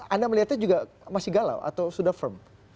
anda melihatnya juga masih galau atau sudah firm